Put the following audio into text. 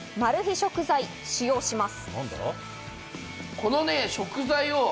食材を使用します。